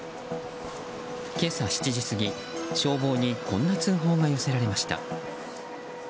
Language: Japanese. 今朝７時過ぎ、消防にこんな通報が寄せられました。